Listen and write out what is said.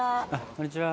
こんにちは。